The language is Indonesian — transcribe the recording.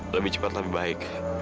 lebih cepat lebih baik